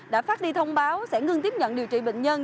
đã phát đi thông báo sẽ ngưng tiếp nhận điều trị bệnh nhân